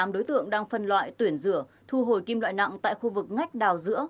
tám đối tượng đang phân loại tuyển rửa thu hồi kim loại nặng tại khu vực ngách đào giữa